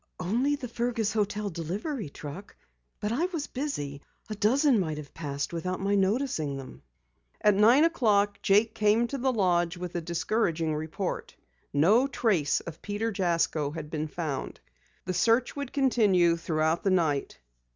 "Only the Fergus hotel delivery truck. But I was busy. A dozen might have passed without my noticing them." At nine o'clock Jake came to the lodge with a discouraging report. No trace of Peter Jasko had been found. The search would continue throughout the night.